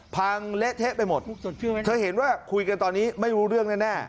เละเทะไปหมดเธอเห็นว่าคุยกันตอนนี้ไม่รู้เรื่องแน่